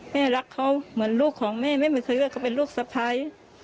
แม่รักเขาเหมือนลูกของแม่แม่ไม่เคยว่าเขาเป็นลูกสะพ้าย